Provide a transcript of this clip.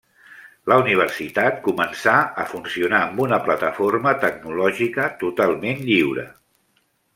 La universitat començà a funcionar amb una plataforma tecnològica totalment lliure.